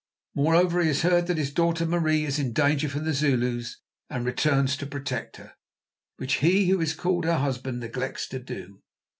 Moreover, he has heard that his daughter, Marie, is in danger from the Zulus, and returns to protect her, which he who is called her husband neglects to do.